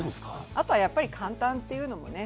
あとはやっぱり「簡単」っていうのもね